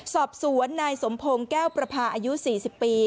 สอบสวนนายสมพงศ์แก้วประพาอายุ๔๐ปี